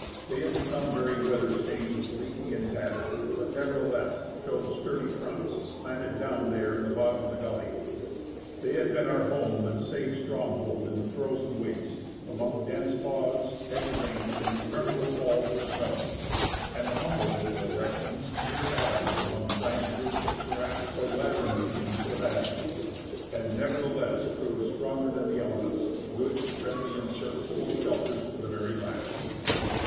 They had become very weather stained, leaky, and tattered, but nevertheless showed sturdy fronts, planted down there in the bottom of the gully. They had been our home and safe stronghold in the frozen waste, among dense fogs, heavy rains, and interminable falls of snow, and the 173 THE ASCENT OF MOUNT ST. ELIAS humble little erections — mere atoms among gigantic groups of sdracs or labyrinthine crevasses — had nevertheless proved stronger than the elements, good, friendly, and serviceable shelters to the very last.